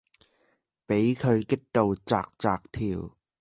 比佢激到紥紥跳